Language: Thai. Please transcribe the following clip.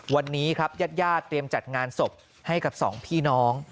วันนี้ครับญาติญาติเตรียมจัดงานศพให้กับสองพี่น้อง